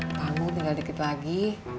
kamu tinggal dikit lagi